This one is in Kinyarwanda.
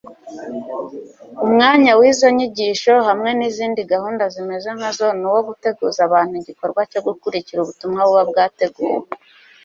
umwanya w'izo nyigisho hamwe n'izindi gahunda zimeze nkazo ni uwo guteguza abantu igikorwa cyo gukurikira ubutumwa buba bwateguwe